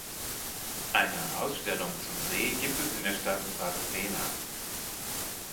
Eine Ausstellung zum See gibt es in der Stadt Vadstena.